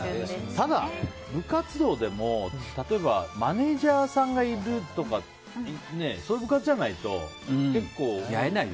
ただ、部活動でも例えばマネジャーさんがいるとかそういう部活じゃないと結構。